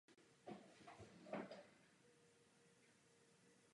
Spolu se hřbitovní kaplí je chráněna jako nemovitá Kulturní památka České republiky.